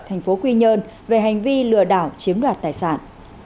tp quy nhơn về hành vi lừa đảo chiếm đoạt tài sản